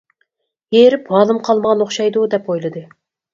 ھېرىپ ھالىم قالمىغان ئوخشايدۇ، دەپ ئويلىدى.